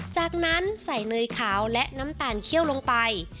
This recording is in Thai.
จากนั้นใส่เนยขาวและน้ำตาลเคี่ยวลงไป